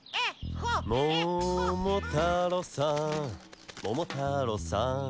「ももたろうさんももたろうさん」